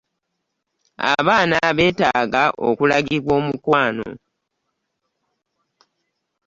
Abaana beetaaga okulagibwa omukwano.